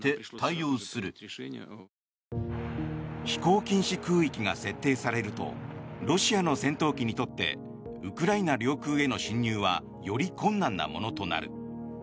飛行禁止空域が設定されるとロシアの戦闘機にとってウクライナ領空への侵入はより困難なものとなる。